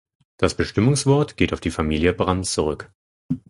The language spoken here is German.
Das Bestimmungswort geht auf die Familie "Brandt" zurück.